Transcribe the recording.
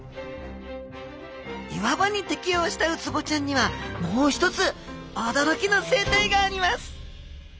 岩場に適応したウツボちゃんにはもう一つ驚きの生態があります